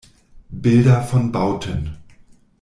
Bilder von Bauten